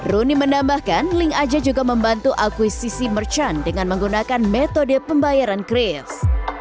rony menambahkan linkaja juga membantu akuisisi merchant dengan menggunakan metode pembayaran kris